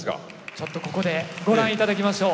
ちょっとここでご覧いただきましょう。